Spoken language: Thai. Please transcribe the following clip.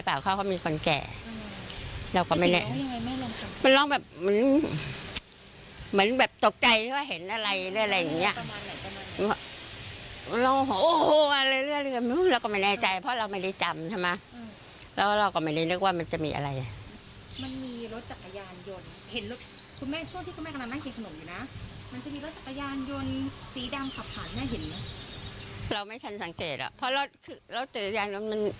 ปกติเขาก็นั่งตอนที่เราเข้าไปเขาก็นั่งนวดนวดนวดสองข้าง